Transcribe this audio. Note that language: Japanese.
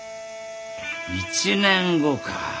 １年後か。